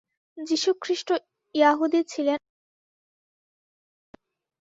যীশুখ্রীষ্ট য়াহুদী ছিলেন ও শাক্যমুনি হিন্দু ছিলেন।